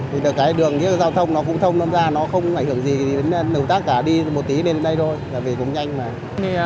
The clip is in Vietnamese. thì cái đường giao thông nó cũng thông thông ra nó không ảnh hưởng gì đến nội tác cả đi một tí đến đây thôi vì cũng nhanh mà